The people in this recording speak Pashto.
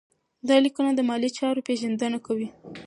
دا لیکنه د مالي چارو پیژندنه کوي.